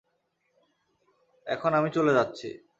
এখন আমি চলে যাচ্ছি।